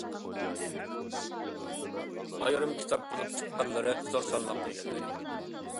ئايرىم كىتاب بولۇپ چىققانلىرى زور سالماقنى ئىگىلەيدۇ.